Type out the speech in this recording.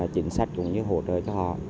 chính sách cũng như hỗ trợ cho họ